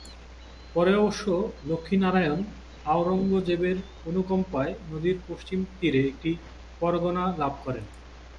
পরে অবশ্য লক্ষ্মী নারায়ণ আওরঙ্গজেবের অনুকম্পায় নদীর পশ্চিম তীরে একটি পরগনা লাভ করেন।